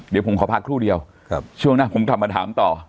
เดี๋ยวผมขอพักครู่เดียวช่วงหน้าผมกลับมาถามต่อ